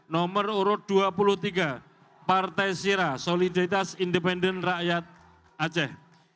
nomor urut dua puluh tiga partai sira solidaritas independen rakyat aceh